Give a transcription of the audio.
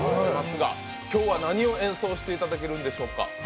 今日は何を演奏していただけるんでしょうか？